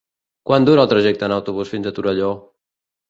Quant dura el trajecte en autobús fins a Torelló?